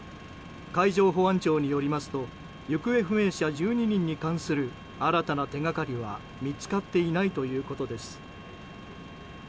海上保安庁によりますと行方不明者１２人に関する新たな手掛かりは見つかっていないということです。